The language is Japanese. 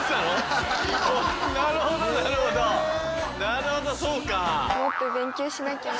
なるほどそうか。